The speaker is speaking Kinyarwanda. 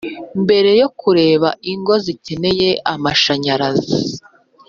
mbere yo kureba ingo zikeneye amashanyarazi.